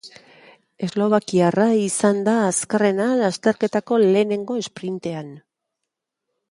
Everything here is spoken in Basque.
Eslovakiarra izan da azkarrena lasterketako lehenengo esprintean.